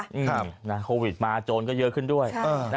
นี่นะโควิดมาโจรก็เยอะขึ้นด้วย